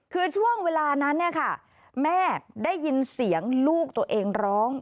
คือช่วงเวลานั้นเนี่ยค่ะแม่ได้ยินเสียงลูกตัวเองร้อง